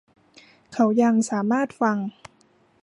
เขายังสามารถฟัง